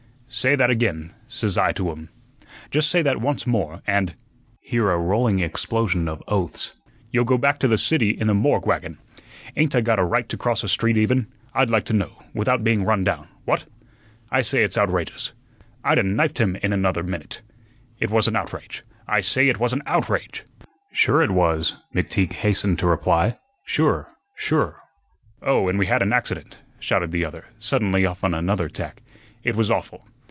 "'Say that again,' says I to um. 'Just say that once more, and'" here a rolling explosion of oaths "'you'll go back to the city in the Morgue wagon. Ain't I got a right to cross a street even, I'd like to know, without being run down what?' I say it's outrageous. I'd a knifed him in another minute. It was an outrage. I say it was an OUTRAGE." "Sure it was," McTeague hastened to reply. "Sure, sure." "Oh, and we had an accident," shouted the other, suddenly off on another tack. "It was awful.